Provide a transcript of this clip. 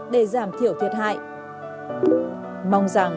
để giảm khó khăn